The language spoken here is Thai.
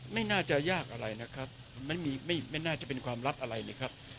ไม่น่าจะยากอะไรนะครับมันไม่น่าจะเป็นความลับอะไรเลยครับ